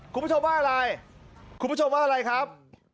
คุณผู้ชมว่าอะไรคุณผู้ชมว่าอะไรครับ